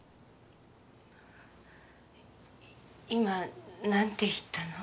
今なんて言ったの？